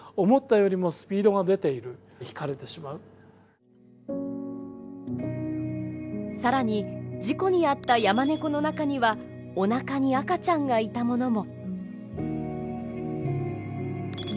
その時にその車が更に事故に遭ったヤマネコの中にはおなかに赤ちゃんがいたものも。